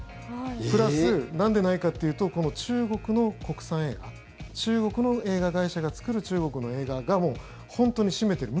プラス、なんでないかっていうと中国の国産映画中国の映画会社が作る中国の映画が本当に占めてる。